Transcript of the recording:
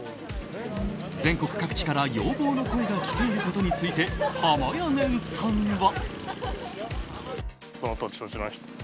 全国各地から要望の声が来ていることについてはまやねんさんは。